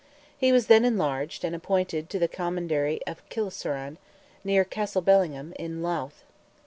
He was then enlarged, and appointed to the commandery of Kilseran, near Castlebellingham, in Louth.